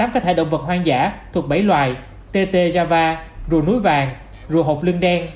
hai mươi tám cá thể động vật hoang dã thuộc bảy loài tt java rùa núi vàng rùa hộp lưng đen